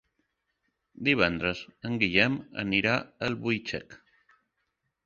Divendres en Guillem anirà a Albuixec.